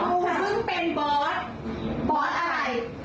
เพิ่งเป็นบอสบอสอะไร